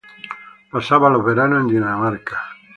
Pasaba los veranos en Dinamarca.